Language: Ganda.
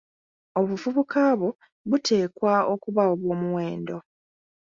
Obuvubuka bwo buteekwa okuba obw'omuwendo.